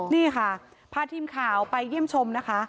นี่ค่ะพาทีมข่าวไปเยี่ยมชมนะคะ